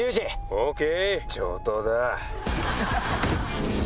ＯＫ！